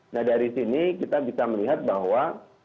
nah dari sini kita bisa melihat bahwa